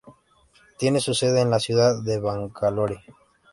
Tiene su sede en la ciudad de Bangalore.